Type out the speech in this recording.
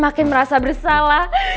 makin merasa bersalah